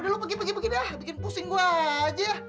udah lo pergi pergi dah bikin pusing gue aja